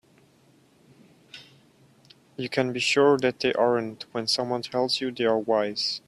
You can be sure that they aren't when someone tells you they are wise.